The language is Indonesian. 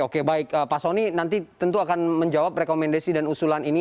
oke baik pak soni nanti tentu akan menjawab rekomendasi dan usulan ini